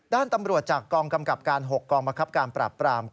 ด้านตำรวจจากกองกำกับการ๖กองบังคับการปราบปราม